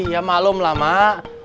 ya malum lah mak